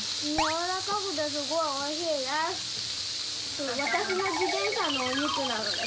軟らかくてすごいおいしいです。